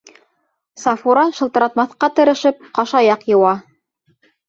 Сафура, шылтыратмаҫҡа тырышып, ҡашаяҡ йыуа.